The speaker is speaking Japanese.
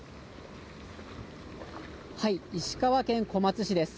石川県小松市です。